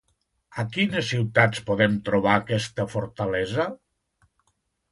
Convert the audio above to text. A quines ciutats podem trobar aquesta fortalesa?